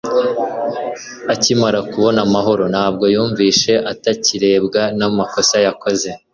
akimara kubona amahoro, ntabwo yumvise atakirebwa n'amakosa yakoze